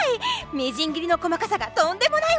みじん切りの細かさがとんでもないわね！